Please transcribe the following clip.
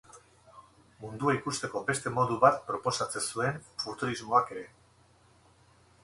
Mundua ikusteko beste modu bat proposatzen zuen futurismoak ere.